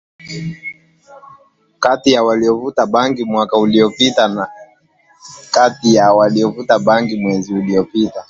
kati yao walivuta bangi mwaka uliopita kati yao walivuta bangi mwezi uliopita